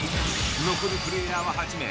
残るプレイヤーは８名。